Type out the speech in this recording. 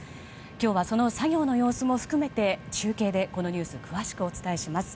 今日はその作業の様子も含めて中継でこのニュースを詳しくお伝えします。